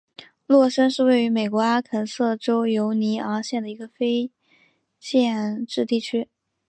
洛森是位于美国阿肯色州犹尼昂县的一个非建制地区。